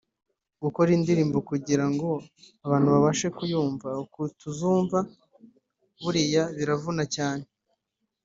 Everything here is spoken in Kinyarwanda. gukora indirimbo kugira ngo abantu babashe kuyumva uku tuzumva buriya biravuna cyane